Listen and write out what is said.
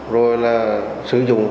rồi là sử dụng